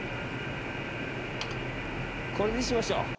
これにしましょう。